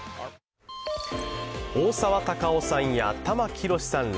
大沢たかおさんや玉木宏さんら